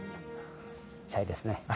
チャイですね。